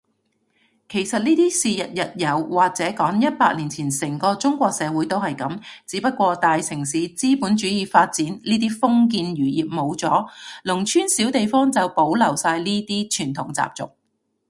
其實呢啲事日日有，或者講，一百年前成個中國社會都係噉，只不過大城市資本主義發展呢啲封建餘孽冇咗，農村小地方就保留晒呢啲傳統習俗